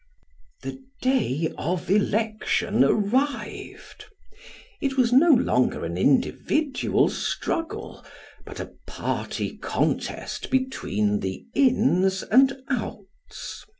The day of election arrived. It was no longer an individual struggle, >ut a party contest between the ins and outs.